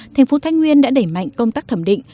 tp thái nguyên đã đẩy mạnh công tác thẩm định